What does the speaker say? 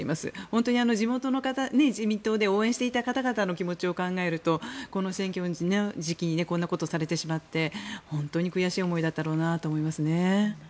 本当に地元の方自民党で応援していた方々の気持ちを考えるとこの選挙の時期にこんなことをされてしまって本当に悔しい思いだったろうなと思いますね。